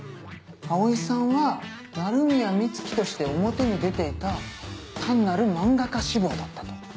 葵さんは鳴宮美月として表に出ていた単なる漫画家志望だったと。